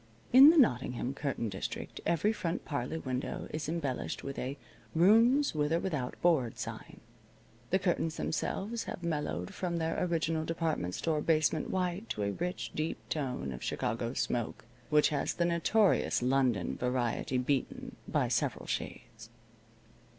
In the Nottingham curtain district every front parlor window is embellished with a "Rooms With or Without Board" sign. The curtains themselves have mellowed from their original department store basement white to a rich, deep tone of Chicago smoke, which has the notorious London variety beaten by several shades.